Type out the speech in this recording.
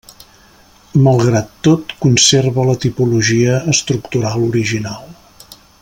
Malgrat tot, conserva la tipologia estructural original.